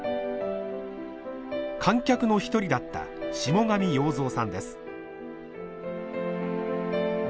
観客の一人だった下神洋造さんです。